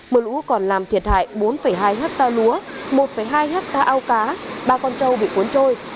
mưa lũ còn làm thiệt hại bốn hai hectare lúa một hai hectare ao cá ba con trâu bị cuốn trôi